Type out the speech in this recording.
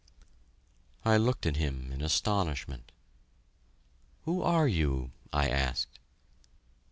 I looked at him in astonishment. "Who are you?" I asked.